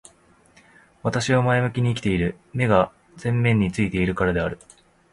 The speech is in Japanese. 私は前向きに生きている。目が前面に付いているからである。